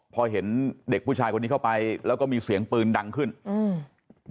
พอเห็นเด็กผู้ชายคนนี้เข้าไปแล้วก็มีเสียงปืนดังขึ้นอืม